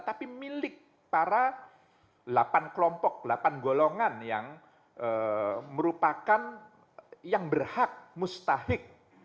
tapi milik para delapan kelompok delapan golongan yang merupakan yang berhak mustahik